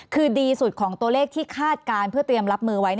คือดีสุดของตัวเลขที่คาดการณ์เพื่อเตรียมรับมือไว้